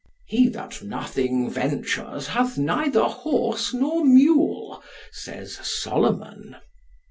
He that nothing ventures hath neither horse nor mule, says Solomon.